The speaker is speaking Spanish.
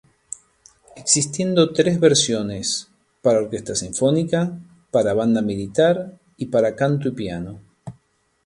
Existiendo tres versiones: Para Orquesta Sinfónica, para Banda Militar y Para Canto y Piano.